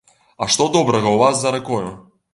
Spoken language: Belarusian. А што добрага ў вас за ракою?